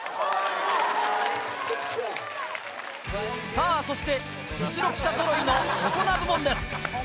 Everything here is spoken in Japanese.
さぁそして実力者ぞろいの大人部門です。